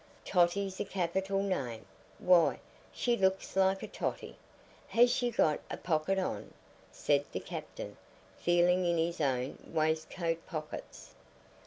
"Totty's a capital name. Why, she looks like a Totty. Has she got a pocket on?" said the captain, feeling in his own waistcoat pockets.